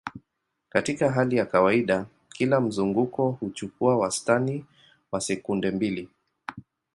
Katika hali ya kawaida, kila mzunguko huchukua wastani wa sekunde mbili.